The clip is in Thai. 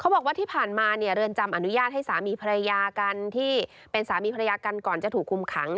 บอกว่าที่ผ่านมาเรือนจำอนุญาตให้สามีภรรยากันที่เป็นสามีภรรยากันก่อนจะถูกคุมขัง